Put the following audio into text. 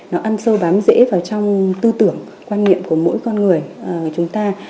nó ăn sâu bám dễ vào trong tư tưởng quan nghiệm của mỗi con người chúng ta